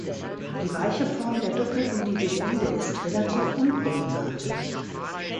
Die weiche Form der doppelten Dividende ist relativ unproblematisch.